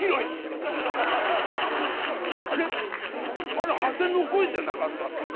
あれ馳の声じゃなかったのか。